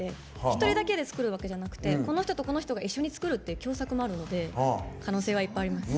一人だけで作るわけじゃなくてこの人とこの人が一緒に作るって共作もあるので可能性はいっぱいあります。